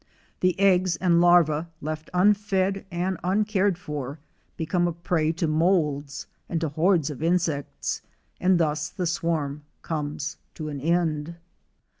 The eggs and larvae, left unfed and uncared for, become a prey to moulds and to hordes of insects, and thus the swarm comes to an end.